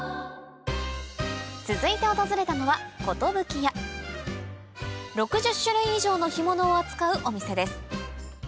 続いて訪れたのは６０種類以上の干物を扱うお店です